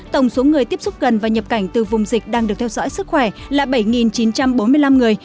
tổng số người tiếp xúc gần và nhập cảnh từ vùng dịch đang được theo dõi sức khỏe là bảy chín trăm bốn mươi năm người